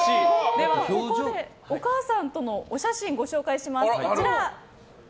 では、お母さんとのお写真をご紹介します。